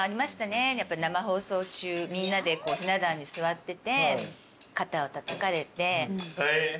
やっぱ生放送中みんなでひな壇に座ってて肩をたたかれて。